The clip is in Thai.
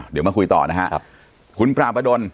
เดี๋ยวมาคุยต่อนะครับ